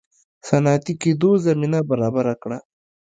صنعتي کېدو زمینه برابره کړه.